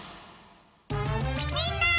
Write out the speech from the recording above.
みんな！